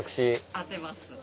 当てます。